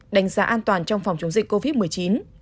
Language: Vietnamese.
đánh giá an toàn trong phòng chống dịch covid một mươi chín